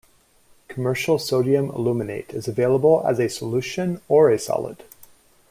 Commercial sodium aluminate is available as a solution or a solid.